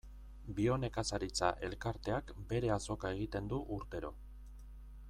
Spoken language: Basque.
Bionekazaritza elkarteak bere azoka egiten du urtero.